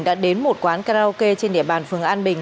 đã đến một quán karaoke trên địa bàn phường an bình